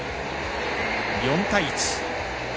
４対１。